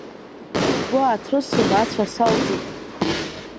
Сгәы ааҭрысын ацәа салҵит.